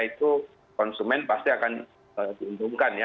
itu konsumen pasti akan diuntungkan ya